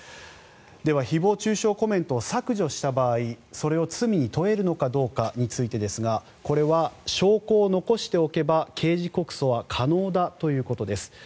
では、誹謗・中傷コメントを削除した場合それを罪に問えるのかどうかについてですがこれは証拠を残しておけば刑事告訴は可能だということです。